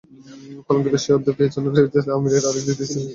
কলঙ্কিত সেই অধ্যায় পেছনে ফেলে আমিরের আরেক দ্বিতীয় ইনিংস শুরু হচ্ছে লর্ডসেই।